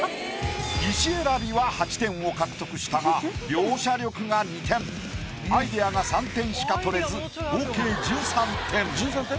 石選びは８点を獲得したが描写力が２点アイディアが３点しか取れず合計１３点。